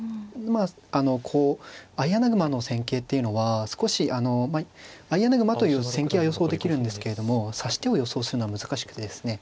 まああのこう相穴熊の戦型っていうのは少しあの相穴熊という戦型は予想できるんですけれども指し手を予想するのは難しくてですね